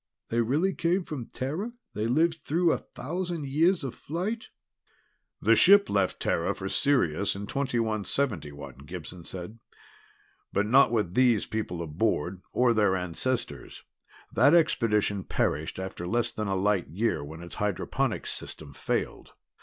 "They really came from Terra? They lived through a thousand years of flight?" "The ship left Terra for Sirius in 2171," Gibson said. "But not with these people aboard, or their ancestors. That expedition perished after less than a light year when its hydroponics system failed.